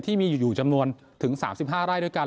ที่มีอยู่จำนวนถึง๓๕ไร่ด้วยกัน